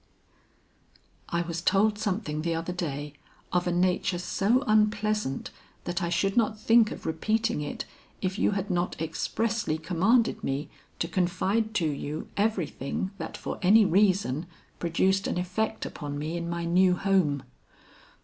"I was told something the other day, of a nature so unpleasant that I should not think of repeating it, if you had not expressly commanded me to confide to you everything that for any reason produced an effect upon me in my new home.